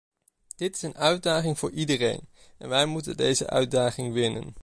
Dit is een uitdaging voor iedereen en wij moeten deze uitdaging winnen.